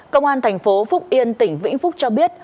công an thành phố phúc yên tỉnh vĩnh phúc cho biết